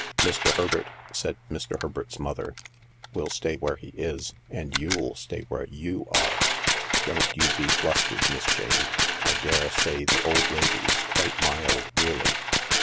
"Mr. Herbert," said Mr. Herbert's mother, "will stay where he is, and you'll stay where you are. Don't you be flustered, Miss Jane. I daresay the old lady's quite mild really.